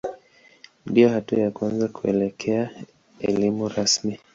Ndiyo hatua ya kwanza kuelekea elimu rasmi.